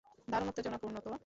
দারুণ উত্তেজনাপূর্ণ তো!